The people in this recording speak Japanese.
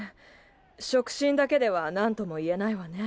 触診だけでは何とも言えないわね。